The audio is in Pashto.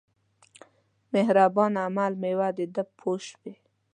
مهربان عمل مېوه ده پوه شوې!.